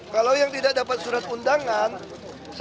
kalau yang tidak dapat surat undangan saudara bisa